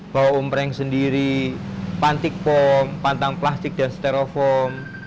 bawa umpreng sendiri pantik pom pantang plastik dan sterofom